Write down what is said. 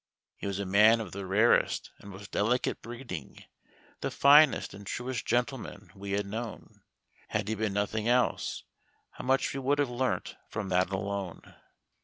He was a man of the rarest and most delicate breeding, the finest and truest gentleman we had known. Had he been nothing else, how much we would have learnt from that alone.